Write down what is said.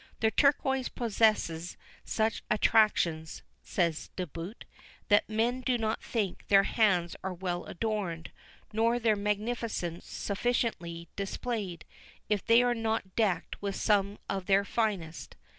"The turquoise possesses such attractions," says de Boot, "that men do not think their hands are well adorned, nor their magnificence sufficiently displayed, if they are not decked with some of the finest."